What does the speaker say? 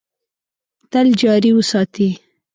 تل جاري وساتي .